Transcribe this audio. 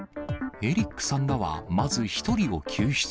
エリックさんらは、まず１人を救出。